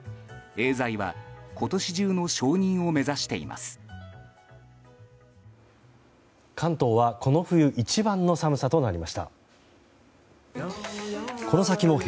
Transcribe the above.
エーザイは今年中の承認を目指しています。